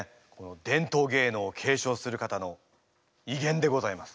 伝統芸能を継承する方のいげんでございます。